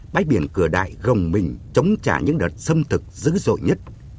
bãi biển cửa đại gồng mình chống trả những đợt xâm thực dữ dội nhất